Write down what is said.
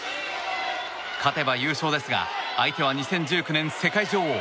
勝てば優勝ですが相手は２０１９年世界女王。